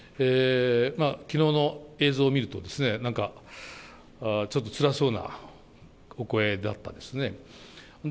きのうの映像を見るとですね、なんか、ちょっとつらそうなお声だったですね。